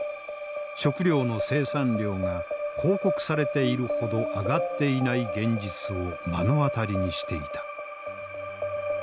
食料の生産量が報告されているほど上がっていない現実を目の当たりにしていた。